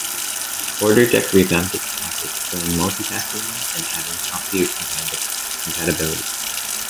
Quarterdeck revamped its package, bringing multitasking in, and adding TopView compatibility.